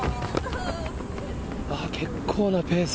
結構なペース。